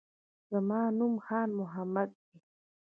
زما نوم خان محمد دی